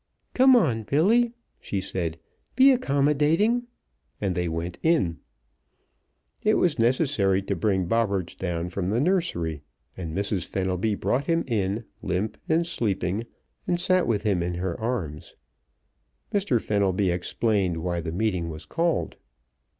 "Come on, Billy," she said. "Be accommodating," and they went in. It was necessary to bring Bobberts down from the nursery, and Mrs. Fenelby brought him in, limp and sleeping, and sat with him in her arms. Mr. Fenelby explained why the meeting was called.